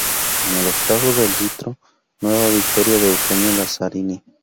En el octavo de litro, nueva victoria de Eugenio Lazzarini.